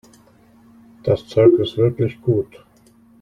Das Zeug ist wirklich gut.